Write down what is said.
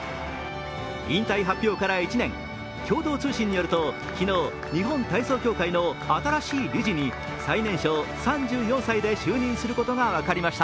引退発表から１年、共同通信によると昨日、日本体操協会の新しい理事に最年少、３４歳で就任することが分かりました。